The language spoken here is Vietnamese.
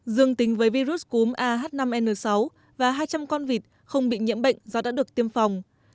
dương tính với virus cúm ah năm n sáu và hai trăm linh con vịt không bị nhiễm bệnh do đã được tiêm phòng